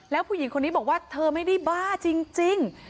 แล้วผู้หญิงคนนี้บอกว่าเธอไม่ได้บ้าจริง